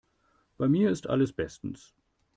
Bei mir ist alles bestens.